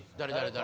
誰？